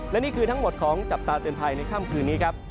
และนี่คือทั้งหมดของจับตาเตือนภัยในค่ำคืนนี้ครับ